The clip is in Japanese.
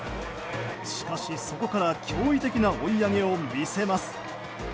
しかし、そこから驚異的な追い上げを見せます。